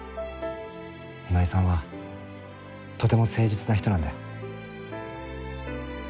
今井さんはとても誠実な人なんだよ。